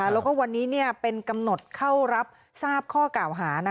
แล้วก็วันนี้เป็นกำหนดเข้ารับทราบข้อกล่าวหา